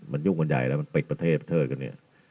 มันยุ่งกันใหญ่แล้วมันปิดประเทศเทิดกันเนี่ย